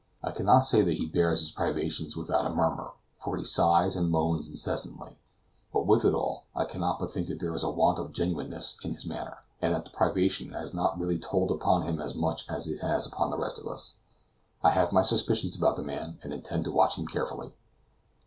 I cannot say that he bears his privations without a murmur, for he sighs and moans incessantly; but, with it all, I cannot but think that there is a want of genuineness in his manner, and that the privation has not really told upon him as much as it has upon the rest of us. I have my suspicions about the man, and intend to watch him carefully.